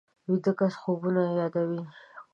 ویده کس خوبونه یادوي